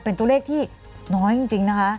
เป็นตัวเลขที่น้อยจริงนะคะ